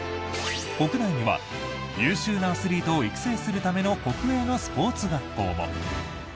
国内には、優秀なアスリートを育成するための国営のスポーツ学校も。